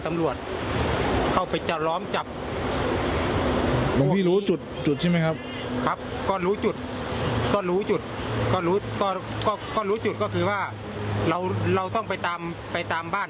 ไม่หลวงพี่รู้ได้อย่างไร